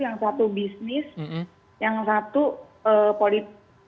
yang satu bisnis yang satu politik